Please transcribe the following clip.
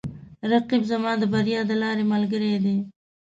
رقیب زما د بریا د لارې ملګری دی